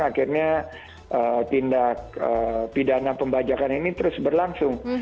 akhirnya tindak pidana pembajakan ini terus berlangsung